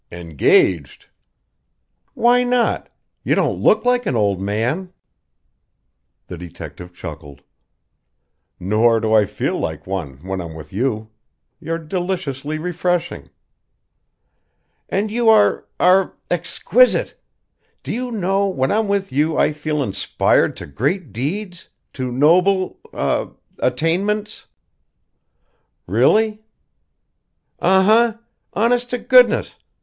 "Engaged?" "Why not? You don't look like an old man." The detective chuckled. "Nor do I feel like one when I'm with you. You're deliciously refreshing." "And you are are exquisite! Do you know, when I'm with you, I feel inspired to great deeds to noble er attainments." "Really?" "Uh huh! Honest to goodness.